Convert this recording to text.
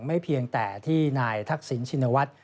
เพียงแต่ที่นายทักษิณชินวัฒน์